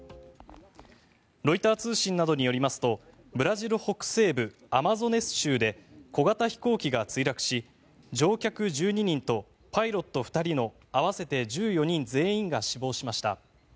ロイター通信などによりますとブラジル北西部アマゾナス州で小型飛行機が墜落し乗客１２人とパイロット２人の合わせて１４人全員が死亡しました。